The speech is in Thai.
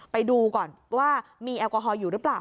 ไปดูก่อนว่ามีแอลกอฮอลอยู่หรือเปล่า